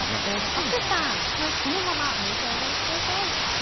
漠さんそのままお召し上がりください。